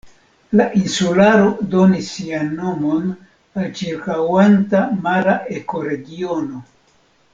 La insularo donis sian nomon al ĉirkaŭanta mara ekoregiono.